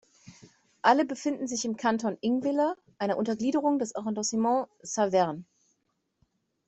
Alle befinden sich im Kanton Ingwiller, einer Untergliederung des Arrondissement Saverne.